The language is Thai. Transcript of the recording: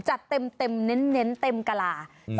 จัดเต็มเน้นเต็มกะลา